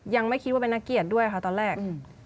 ยังไม่คิดว่าเป็นนักเกียรติด้วยค่ะตอนแรก